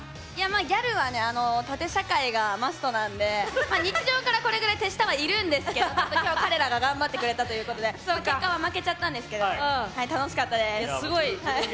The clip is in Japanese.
ギャルは縦社会がマストなので日常から、これぐらい手下はいるんですけど今日、彼らが頑張ってくれたということで結果は負けちゃったんですけど楽しかったです。